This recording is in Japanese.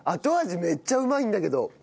後味めっちゃうまいんだけど。